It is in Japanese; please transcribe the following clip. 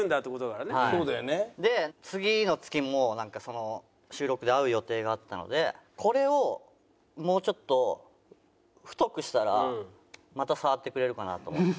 で次の月もなんかその収録で会う予定があったのでこれをもうちょっと太くしたらまた触ってくれるかなと思って。